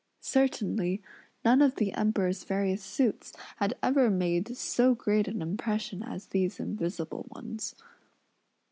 Certainly, none of the Emperor's various suits, had ever made so great an impression, as these invisible ones.